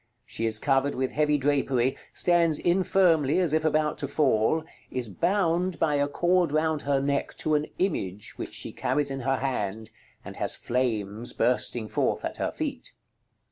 She is covered with heavy drapery, stands infirmly as if about to fall, is bound by a cord round her neck to an image which she carries in her hand, and has flames bursting forth at her feet.